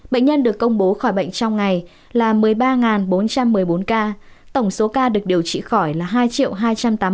bệnh nhân được công bố khỏi bệnh trong ngày là một mươi ba bốn trăm một mươi bốn ca tổng số ca được điều trị khỏi là hai hai trăm tám mươi một bốn trăm ba mươi bốn ca